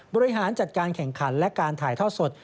บริหารจัดการแข่งขันและการถ่ายทอดสด